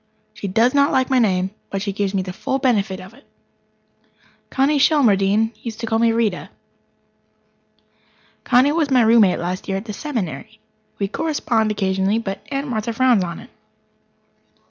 She does not like my name, but she gives me the full benefit of it. Connie Shelmardine used to call me Rita. Connie was my roommate last year at the Seminary. We correspond occasionally, but Aunt Martha frowns on it.